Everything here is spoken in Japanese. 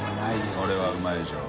これはうまいでしょう。